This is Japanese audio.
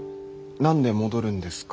何で戻るんですか？